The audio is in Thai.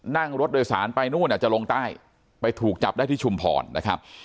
นั่งรถโดยสารไปนู่นจะลงใต้ไปถูกจับได้ที่ชุมพรนะครับ